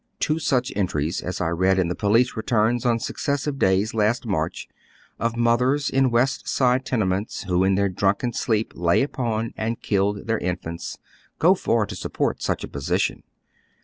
Two such entries as I i^ead in the police returns on successive days last March, of moth ers in "West Side tenements, who in their drunken sleep lay upon and killed their infants, go far to support such a position.